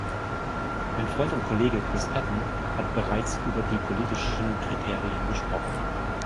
Mein Freund und Kollege Chris Patten hat bereits über die politischen Kriterien gesprochen.